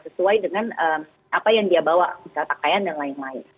sesuai dengan apa yang dia bawa misalnya pakaian dan lain lain